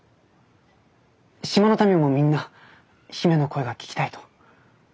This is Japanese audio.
島の民もみんな姫の声が聞きたいと。